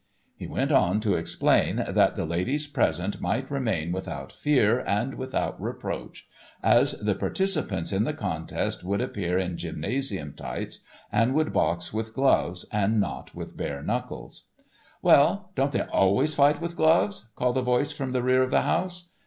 He went on to explain that the ladies present might remain without fear and without reproach as the participants in the contest would appear in gymnasium tights, and would box with gloves and not with bare knuckles. "Well, don't they always fight with gloves?" called a voice from the rear of the house.